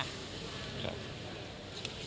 ครับ